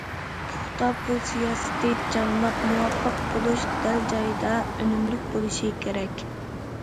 پۇختا پۇل سىياسىتى جانلىق، مۇۋاپىق بولۇشى، دەل جايىدا، ئۈنۈملۈك بولۇشى كېرەك.